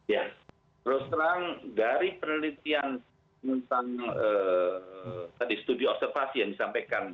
ya terus terang dari penelitian tentang tadi studi observasi yang disampaikan